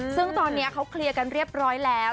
ซึ่งตอนนี้เขาเคลียร์กันเรียบร้อยแล้ว